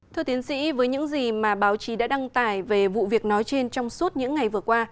thưa tiến sĩ với những gì mà báo chí đã đăng tải về vụ việc nói trên trong suốt những ngày vừa qua